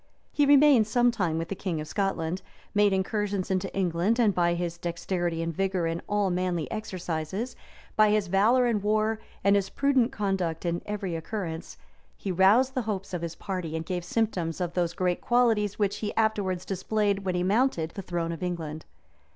He remained some time with the king of Scotland, made incursions into England, and by his dexterity and vigor in all manly exercises, by his valor in war, and his prudent conduct in every occurrence, he roused the hopes of his party, and gave symptoms of those great qualities which he afterwards displayed when he mounted the throne of England.